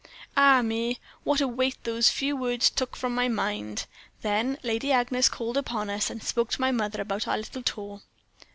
"Ah, me! what a weight those few words took from my mind. Then Lady Agnes called upon us, and spoke to my mother about our little tour.